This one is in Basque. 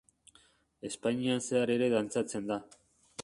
Espainian zehar ere dantzatzen da.